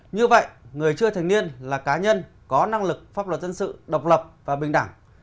như vậy người chưa thành niên là cá nhân có năng lực pháp luật dân sự độc lập và bình đẳng